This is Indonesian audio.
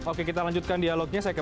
oke kita lanjutkan dialognya saya ke